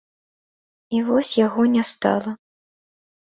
І вось яго не стала.